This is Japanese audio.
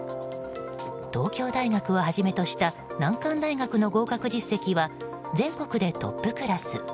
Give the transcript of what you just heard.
東京大学をはじめとした難関大学の合格実績は全国でトップクラス。